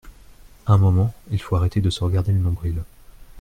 À un moment, il faut arrêter de se regarder le nombril.